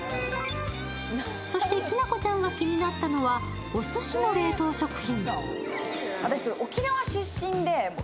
そして、きなこちゃんが気になったのは、おすしの冷凍食品。